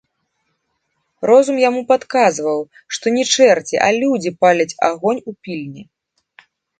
Розум яму падказваў, што не чэрці, а людзі паляць агонь у пільні.